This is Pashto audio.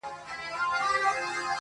سر کي ښکر شاته لکۍ ورکړه باداره،